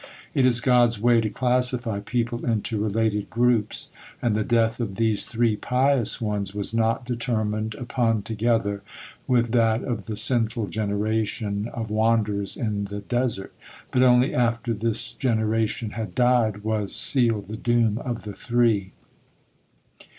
It is God's way to classify people into related groups, and the death of these three pious ones was not determined upon together with hat of the sinful generation of wanderers in the desert, but only after this generations had died, was sealed the doom of the three.